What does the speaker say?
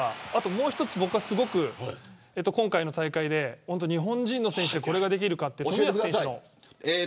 もう一つ、僕はすごく今回の大会で日本人の選手でこれができるかっていうのが。